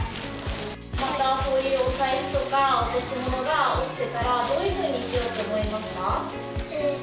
またそういうお財布とか、落とし物が落ちてたらどういうふうにしようと思いますか？